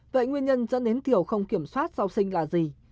vậy nguyên nhân dẫn đến thiểu không kiểm soát sau sinh là gì